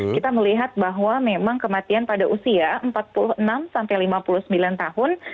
kita melihat bahwa memang kematian pada usia empat puluh enam sampai lima puluh sembilan tahun